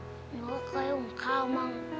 หนูก็จะหุงข้าวบ้าง